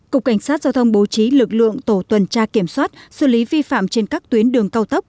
cục cảnh sát giao thông bố trí lực lượng tổ tuần tra kiểm soát xử lý vi phạm trên các tuyến đường cao tốc